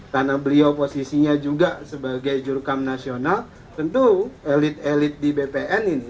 karena beliau posisinya juga sebagai jurkam nasional tentu elit elit di bpn ini